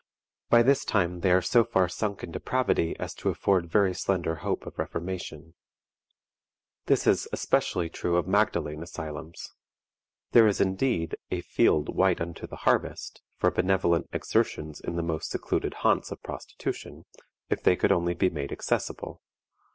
By this time they are so far sunk in depravity as to afford very slender hope of reformation. This is more especially true of Magdalen Asylums. There is indeed a "field white unto the harvest" for benevolent exertions in the most secluded haunts of prostitution, if they could only be made accessible.